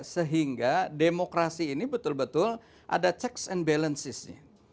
sehingga demokrasi ini betul betul ada checks and balancesnya